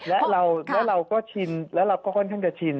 และเราก็ชินแล้วเราก็ค่อนข้างจะชิน